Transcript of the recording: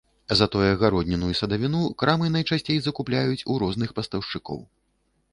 Затое гародніну і садавіну крамы найчасцей закупляюць у розных пастаўшчыкоў.